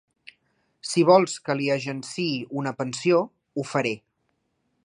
Si vols que li agenciï una pensió, ho faré.